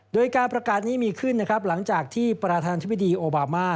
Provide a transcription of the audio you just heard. โดยการประกาศนี้มีขึ้นนะครับหลังจากที่ประธานธิบดีโอบามา